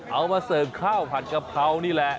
มาเสิร์ฟข้าวผัดกะเพรานี่แหละ